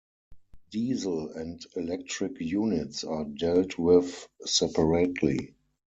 Diesel and electric units are dealt with separately.